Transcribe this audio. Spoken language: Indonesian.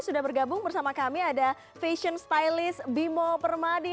sudah bergabung bersama kami ada fashion stylist bimo permadi